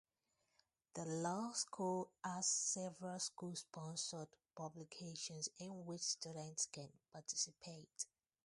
The Law School has several school-sponsored publications in which students can participate.